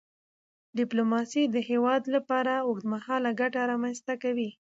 ډیپلوماسي د هیواد لپاره اوږدمهاله ګټه رامنځته کوي.